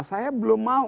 saya belum mau